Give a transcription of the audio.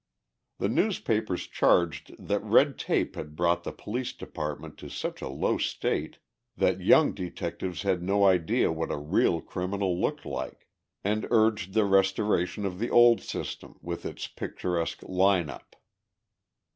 The newspapers charged that red tape had brought the Police Department to such a low state that young detectives had no idea what a real criminal looked like, and urged the restoration of the old system, with its picturesque "line up."